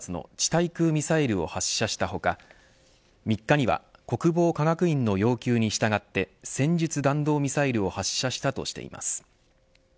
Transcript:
対空ミサイルを発射した他３日には国防科学院の要求に従って戦術弾道ミサイルを発射したとしています。